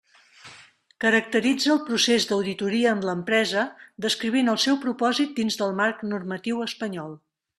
Caracteritza el procés d'auditoria en l'empresa, descrivint el seu propòsit dins del marc normatiu espanyol.